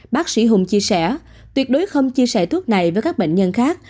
bác sĩ hùng chia sẻ tuyệt đối không chia sẻ thuốc này với các bệnh nhân khác